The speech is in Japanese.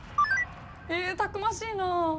えたくましいな。